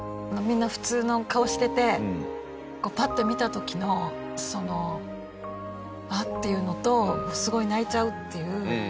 みんな普通の顔しててパッて見た時のそのうわっ！っていうのとすごい泣いちゃうっていう。